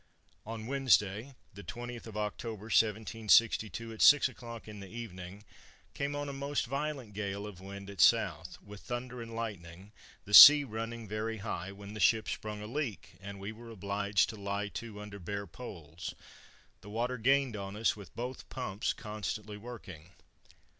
"On Wednesday the 20th of October 1762, at six o'clock in the evening, came on a most violent gale of wind at south, with thunder and lightning, the sea running very high, when the ship sprung a leak, and we were obliged to lie to under bare poles, the water gained on us with both pumps constantly working.